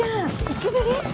いつぶり？